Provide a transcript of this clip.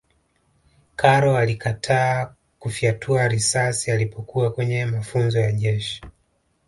karol alikataa kufyatua risasi alipokuwa kwenye mafunzo ya jeshi